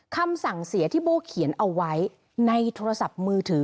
คำสั่งเสียที่โบ้เขียนเอาไว้ในโทรศัพท์มือถือ